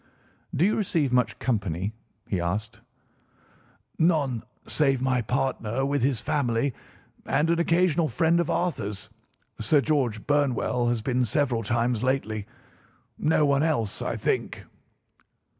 "Do you receive much company?" he asked. "None save my partner with his family and an occasional friend of Arthur's. Sir George Burnwell has been several times lately. No one else, I think."